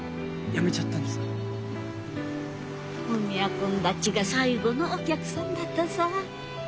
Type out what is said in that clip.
文也君たちが最後のお客さんだったさぁ。